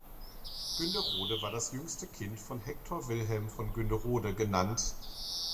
Günderrode war das jüngste Kind von Hector Wilhelm von Günderrode gen.